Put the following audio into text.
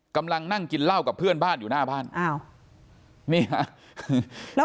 กำลังนั่งกินเหล้ากับเพื่อนบ้านอยู่หน้าบ้านอ้าวนี่ฮะแล้ว